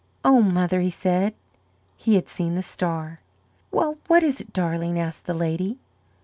"Oh, mother," he said. He had seen the star. "Well, what is it, darling?" asked the lady.